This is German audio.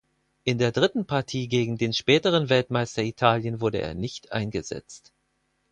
In der dritten Partie gegen den späteren Weltmeister Italien wurde er nicht eingesetzt.